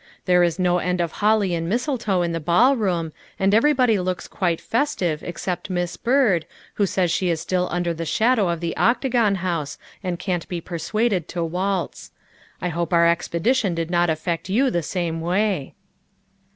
" There is no end of holly and mistletoe in the ballroom, and every body looks quite festive except Miss Byrd, who says she is still under the shadow of the Octagon House and can't be persuaded to waltz. I hope our expedition did not affect you the same way.